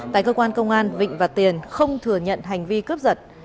tại cơ quan công an vịnh và tiền không thừa nhận hành vi cướp giật